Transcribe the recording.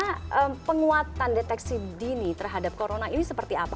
karena penguatan deteksi dini terhadap corona ini seperti apa